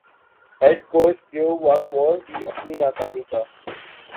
head coach Dav Whatmore بھی اپنی ناکامی کا